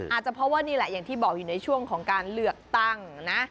อาจจะเพราะว่านี่แหละอย่างที่บอกอยู่ในช่วงของการเลือกตั้งนะ